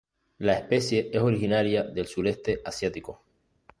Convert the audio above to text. La especie es originaria del sureste asiático.